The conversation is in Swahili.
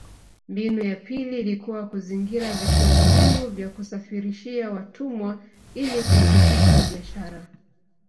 Mbinu ya pili ilikuwa kuzingira vituo muhimu vya kusafirishia watumwa ili kusitisha biashara